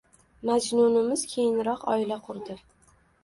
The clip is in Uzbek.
Majnunimiz keyinroq oila qurdi.